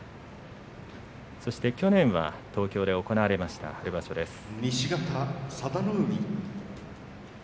そして去年は東京で行われました春場所です。